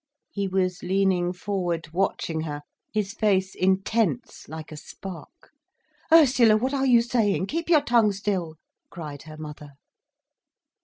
He was leaning forward watching her, his face intense like a spark. "Ursula, what are you saying? Keep your tongue still," cried her mother.